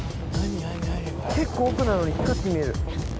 結構奥なのに光って見える。